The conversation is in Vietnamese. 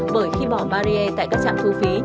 bởi khi bỏ barriere tại các trạm thu phí